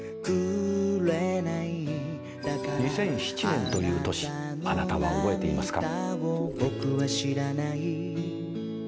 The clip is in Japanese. ２００７年という年あなたは覚えていますか？